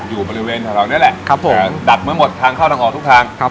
อยู่บริเวณข้างหลังเนี่ยแหละครับผมอ่าดัดไว้หมดทางเข้าทางออกทุกทางครับผม